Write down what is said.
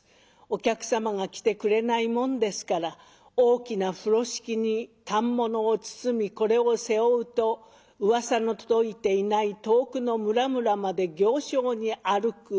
お客様が来てくれないもんですから大きな風呂敷に反物を包みこれを背負うとうわさの届いていない遠くの村々まで行商に歩く。